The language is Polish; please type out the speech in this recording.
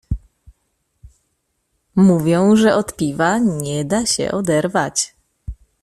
"Mówią, że od piwa nie da się oderwać."